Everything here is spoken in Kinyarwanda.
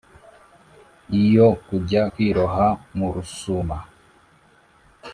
iyo kujya kwiroha mu rusuma